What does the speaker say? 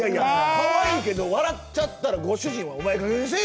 かわいいけど笑っちゃったらご主人はお前ええ